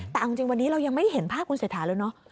แต่เอาจริงวันนี้เรายังไม่ได้เห็นภาพคุณเศรษฐาเลยเนาะ